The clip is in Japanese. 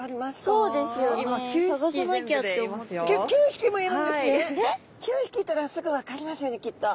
９匹いたらすぐ分かりますよねきっと。